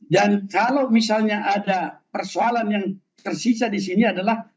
dan kalau misalnya ada persoalan yang tersisa di sini adalah